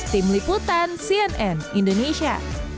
tim liputan cnn indonesia